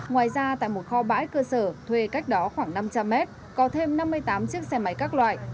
cơ sở thuê cách đó khoảng năm trăm linh mét có thêm năm mươi tám chiếc xe máy các loại